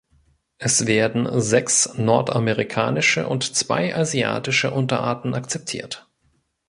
Es werden sechs nordamerikanische und zwei asiatische Unterarten akzeptiert.